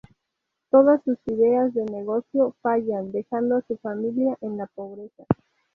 Todas sus ideas de negocio fallan, dejando a su familia en la pobreza.